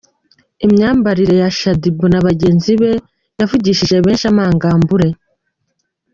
Imyambarire ya Shaddy Boo na bagenzi be yavugishije benshi amangambure.